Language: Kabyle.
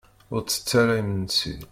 Ur ttett ara imensi.